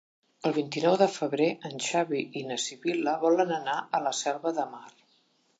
El vint-i-nou de febrer en Xavi i na Sibil·la volen anar a la Selva de Mar.